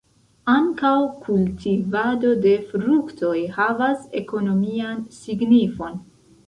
Ankaŭ kultivado de fruktoj havas ekonomian signifon.